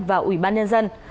và ủy ban nhân dân